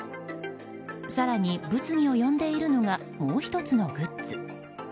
更に、物議を呼んでいるのがもう１つのグッズ。